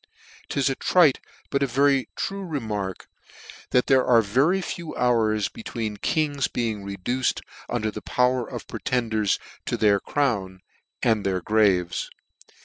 'Tis a trite, but a very true re mark, that .there are but few hours between kings being reduced under the power of pretenders to their crown and their graves.